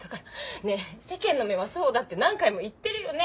ねえ世間の目はそうだって何回も言ってるよね？